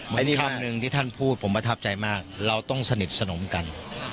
อันนี้คำหนึ่งที่ท่านพูดผมประทับใจมากเราต้องสนิทสนมกัน